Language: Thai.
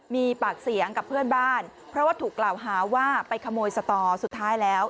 มีปากเสียงกับเพื่อนบ้านเพราะว่าถูกกล่าวหาว่าไปขโมยสตอสุดท้ายแล้ว